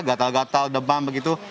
gatal gatal debam begitu